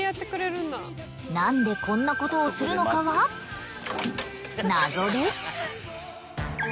なんでこんなことをするのかは謎です。